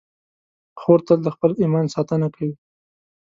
خور تل د خپل ایمان ساتنه کوي.